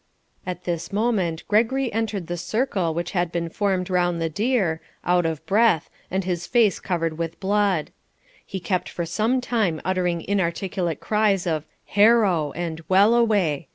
At this moment Gregory entered the circle which had been formed round the deer, out of breath, and his face covered with blood. He kept for some time uttering inarticulate cries of 'Harrow!' and 'Wellaway!'